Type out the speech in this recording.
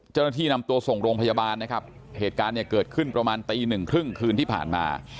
เจ้าหน้าที่นำตัวส่งโรงพยาบาลนะครับเหตุการณ์เนี่ยเกิดขึ้นประมาณตีหนึ่งครึ่งคืนที่ผ่านมา